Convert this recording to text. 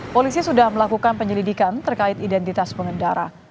polisi sudah melakukan penyelidikan terkait identitas pengendara